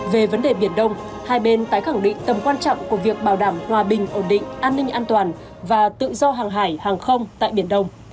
về vấn đề biển đông hai bên tái khẳng định tầm quan trọng của việc bảo đảm hòa bình ổn định an ninh an toàn và tự do hàng hải hàng không tại biển đông